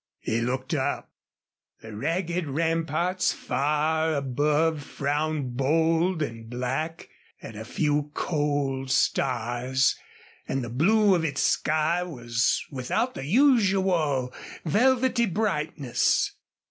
Then he looked up. The ragged ramparts far above frowned bold and black at a few cold stars, and the blue of its sky was without the usual velvety brightness.